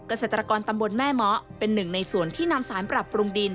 เกษตรกรตำบลแม่เมาะเป็นหนึ่งในส่วนที่นำสารปรับปรุงดิน